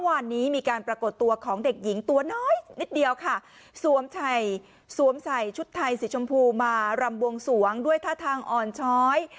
วันนี้มีการปรากฏตัวของเด็กหญิงตัวน้อยนิดเดียวค่ะสวมใส่ชุดไทยสีชมพูมารำบวงสวงด้วยท่าทางอ่อนช้อย